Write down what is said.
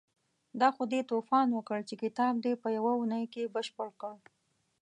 دا خو دې توپان وکړ چې کتاب دې په يوه اونۍ کې بشپړ کړ.